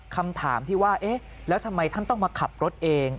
คำถามที่ว่าเอ๊ะแล้วทำไมท่านต้องมาขับรถเอง